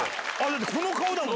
この顔だもん！